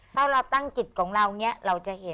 ถ้าเราตั้งจิตของเราเนี่ยเราจะเห็น